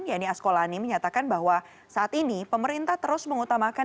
yanni askolani menyatakan bahwa saat ini pemerintah terus mengutamakan